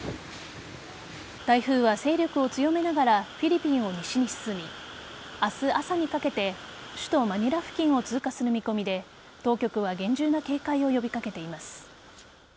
台風は勢力を強めながらフィリピンを西に進み明日朝にかけて首都・マニラ付近を通過する見込みで当局は厳重な警戒を呼び掛けています。